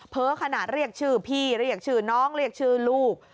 ขนาดเรียกชื่อพี่เรียกชื่อน้องเรียกชื่อลูก